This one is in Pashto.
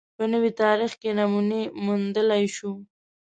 په نوي تاریخ کې نمونې موندلای شو